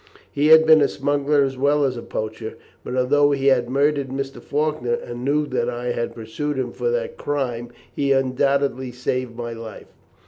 He had been a smuggler as well as a poacher, but although he had murdered Mr. Faulkner, and knew that I had pursued him for that crime, he undoubtedly saved my life.